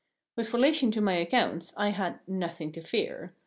With relation to my accounts, I had nothing to fear.